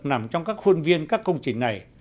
nằm trong các khuôn viên các công trình này